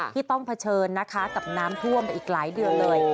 ที่ต้องเผชิญนะคะกับน้ำท่วมไปอีกหลายเดือนเลย